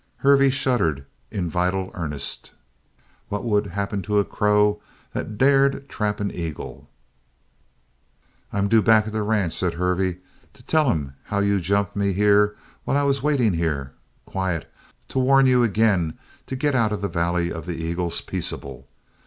Hervey shuddered in vital earnest. What would happen to a crow that dared trap an eagle. "I'm due back at the ranch," said Hervey, "to tell 'em how you jumped me here while I was waiting here quiet to warn you again to get out of the Valley of the Eagles peaceable.